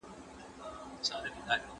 ¬ تروږمۍ چي ډېره سي، سهار نژدې کېږي.